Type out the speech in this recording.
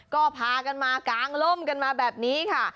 ก็พากันมากางล่มกันมาแบบนี้ค่ะ